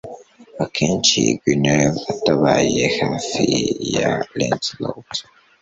akenshi Guinevere atabaye hafi ya Lancelot